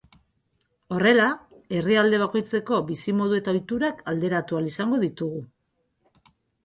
Horrela, herrialde bakoitzeko bizimodu eta ohiturak alderatu ahal izango ditugu.